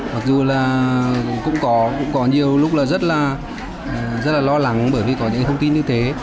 mặc dù là cũng có nhiều lúc là rất là lo lắng bởi vì có những thông tin như thế